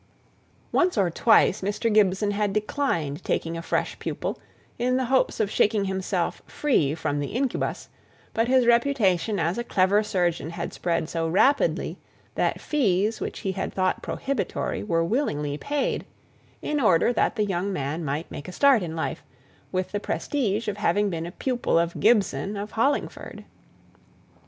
Once or twice Mr. Gibson had declined taking a fresh pupil, in the hopes of shaking himself free from the incubus, but his reputation as a clever surgeon had spread so rapidly that his fees which he had thought prohibitory, were willingly paid, in order that the young man might make a start in life, with the prestige of having been a pupil of Gibson of Hollingford.